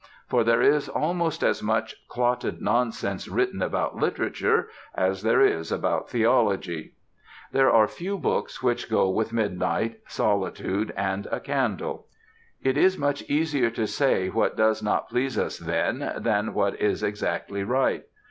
For there is almost as much clotted nonsense written about literature as there is about theology. There are few books which go with midnight, solitude, and a candle. It is much easier to say what does not please us then than what is exactly right.